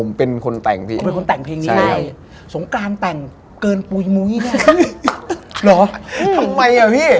หน่ายนะพี่พี่ทำแบบนี้